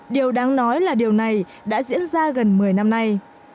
điều đáng nói là điều này đã diễn ra gần một mươi năm nay